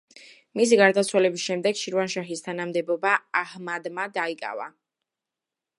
მისი გარდაცვალების შემდეგ, შირვანშაჰის თანამდებობა აჰმადმა დაიკავა.